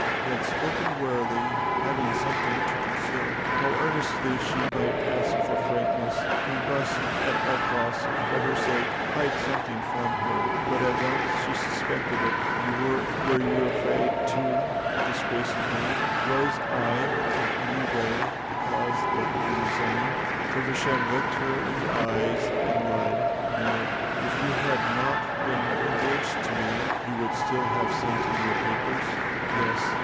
He had spoken warily, having something to conceal. However earnestly she might ask for frankness, he must at all costs, for her sake, hide something from her. But at once she suspected it. "Were you afraid, too, of disgracing me? Was I in any way the cause that you resigned?" Feversham looked her in the eyes and lied: "No." "If you had not been engaged to me, you would still have sent in your papers?" "Yes."